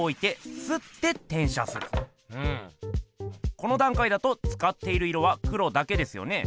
このだんかいだとつかっている色は黒だけですよね？